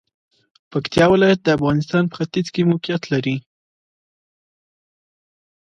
پکتیا ولایت د افغانستان په ختیځ کې موقعیت لري.